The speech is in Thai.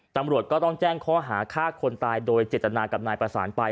ตำรวจก็ต้องแจ้งข้อหาฆ่าคนตายโดยเจตนากับนายประสานไป